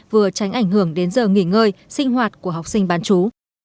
vừa tránh ảnh hưởng đến giờ nghỉ ngơi sinh hoạt của học sinh bán chú